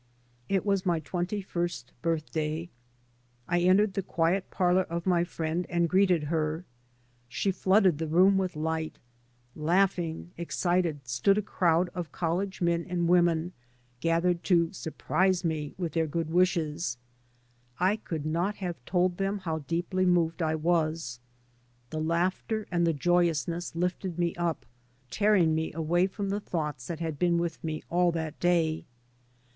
It was my twenty first birthday. I entered the quiet parlour of my friend and greeted her. She flooded the room with light. Laughing, excited, stood a crowd of college men and women gathered to " sur prise " me with their good wishes. I could not have told them how deeply moved I was. The laughter and the joyousness lifted me up, tearing me away from the thoughts that had been with me all that day.